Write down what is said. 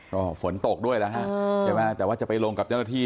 ก็ฝนตกด้วยนะครับแต่ว่าจะไปลงกับเจ้าหน้าที่